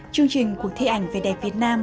chương trình cuộc thi ảnh về đẹp việt nam